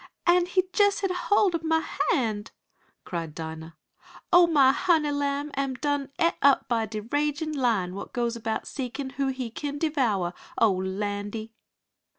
"An' he jest had hold ob mah hand!" cried Dinah. "Oh, mah honey lamb am done et up by de ragin' lion what goes about seekin' who he kin devouer! Oh landy!"